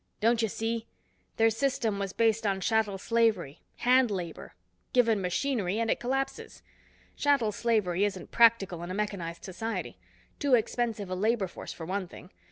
"Don't you see? Their system was based on chattel slavery, hand labor. Given machinery and it collapses. Chattel slavery isn't practical in a mechanized society. Too expensive a labor force, for one thing.